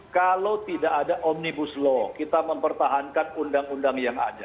kalau tidak ada omnibus law kita mempertahankan undang undang yang ada